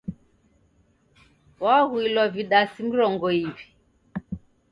Waghuilwa vidasi mrongo iw'i.